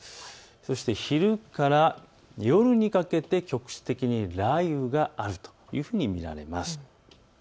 そして昼から夜にかけて局地的に雷雨があるというふうに見られます。